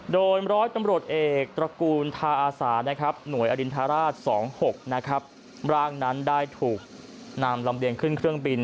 โดยร้อยตำรวจเอกตระกูลทาอาสาหน่วยอรินทราช๒๖นะครับร่างนั้นได้ถูกนำลำเลียงขึ้นเครื่องบิน